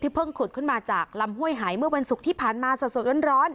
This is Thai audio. เพิ่งขุดขึ้นมาจากลำห้วยหายเมื่อวันศุกร์ที่ผ่านมาสดร้อน